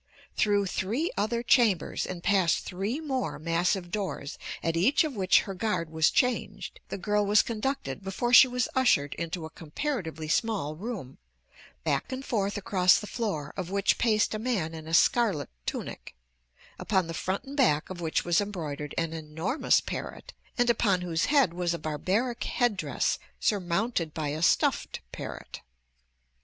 Through three other chambers and past three more massive doors, at each of which her guard was changed, the girl was conducted before she was ushered into a comparatively small room, back and forth across the floor of which paced a man in a scarlet tunic, upon the front and back of which was embroidered an enormous parrot and upon whose head was a barbaric headdress surmounted by a stuffed parrot.